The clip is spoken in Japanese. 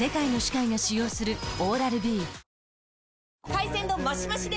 海鮮丼マシマシで！